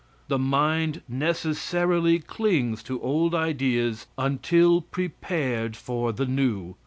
The mind necessarily clings to old ideas until prepared for the new.